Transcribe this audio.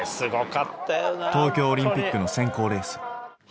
東京オリンピックの選考レース。